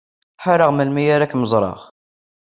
Ḥareɣ melmi ara kem-ẓreɣ.